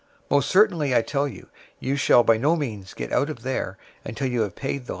005:026 Most certainly I tell you, you shall by no means get out of there, until you have paid the last penny.